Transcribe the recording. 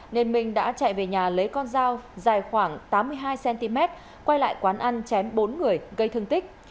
nên minh đã chạy về nhà lấy con dao dài khoảng tám mươi hai cm quay lại quán ăn chém bốn người gây thương tích